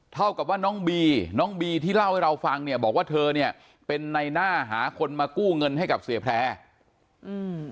เท่ากับว่าน้องบีน้องบีที่เล่าให้เราฟังเนี่ยบอกว่าเธอเนี่ยเป็นในหน้าหาคนมากู้เงินให้กับเสียแพร่อืม